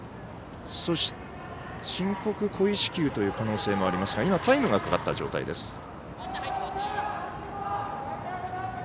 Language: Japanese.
そして、申告故意四球という可能性もありますがタイムがかかった状態です。